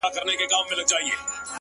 خيال ويل ه مـا پــرې وپاسه-